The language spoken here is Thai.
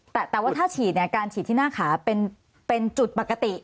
แต่ว่าถ้าฉีดเนี่ยการฉีดที่หน้าขาเป็นจุดปกติ